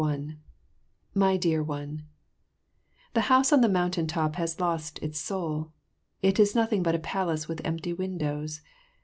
1 My Dear One, The house on the mountain top has lost its soul. It is nothing but a palace with empty windows.